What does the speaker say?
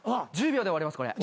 １０秒で終わりますこれ。